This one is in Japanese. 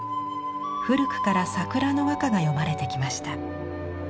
古くから桜の和歌が詠まれてきました。